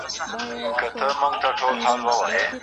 ایا د غرمې لږ ارام کول د تاندوالي سبب ګرځي؟